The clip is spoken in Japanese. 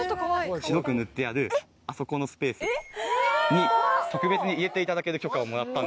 白く塗ってあるあそこのスペースに特別に入れていただける許可をもらったんで。